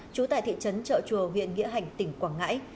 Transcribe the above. chú tại thị trấn chợ chùa huyện nghĩa hành tỉnh quảng ngãi